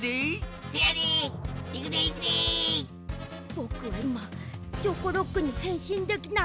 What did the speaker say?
ぼくはいまチョコロックにへんしんできない。